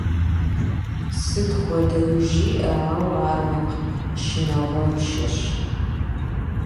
Сыт хуэдэуи жыӀэ, ауэ ар нэхъ шынагъуэншэщ.